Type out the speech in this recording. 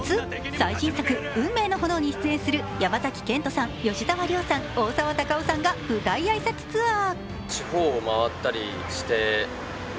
最新作「運命の炎」に出演する山崎賢人さん、吉沢亮さん、大沢たかおさんが舞台挨拶ツアー。